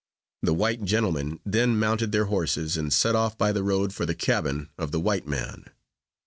The white gentlemen then mounted their horses, and set off by the road for the cabin of the white man.